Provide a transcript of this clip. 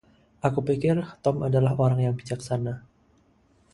Aku pikir Tom adalah orang yang bijaksana.